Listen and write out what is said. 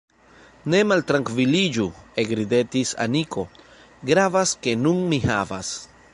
Ne maltrankviliĝu – ekridetis Aniko – Gravas, ke nun mi havas.